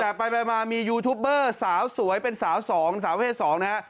แต่ไปมามียูทูปเบอร์สาวสวยเป็นสาวสองสาวเพศ๒นะฮะ